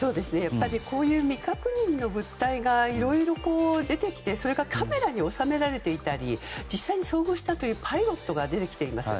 こういう未確認の物体がいろいろ出てきてそれがカメラに収められていたり実際に遭遇したというパイロットが出てきています。